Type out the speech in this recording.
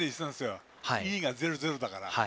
Ｅが０、０だから。